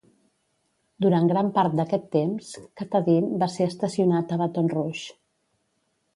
Durant gran part d'aquest temps, "Katahdin" va ser estacionat a Baton Rouge.